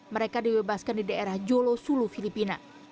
mereka dibebaskan di daerah jolo sulu filipina